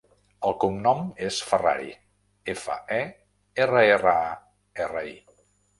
El cognom és Ferrari: efa, e, erra, erra, a, erra, i.